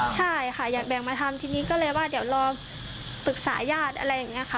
ใช่ค่ะอยากแบ่งมาทำทีนี้ก็เลยว่าเดี๋ยวรอปรึกษาญาติอะไรอย่างนี้ค่ะ